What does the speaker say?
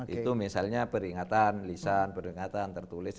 itu misalnya peringatan lisan peringatan tertulis